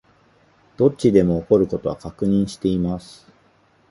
どっちでも起こる事は確認しています